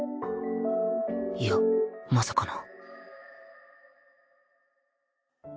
いやまさかな